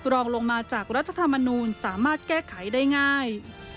รองลงมาจากรัฐธรรมนูลสามารถแก้ไขได้ง่าย